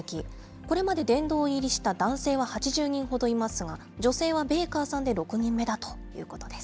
これまで殿堂入りした男性は８０人ほどいますが、女性はベーカーさんで６人目だということです。